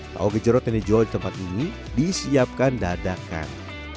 tahu gejorot yang dijual di tempat ini disiapkan dadakan